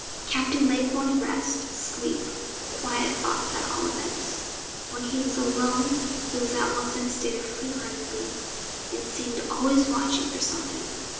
Captain Lake wanted rest sleep quiet thoughts at all events. When he was alone he was at once in a state of fever and gloom, and seemed always watching for something.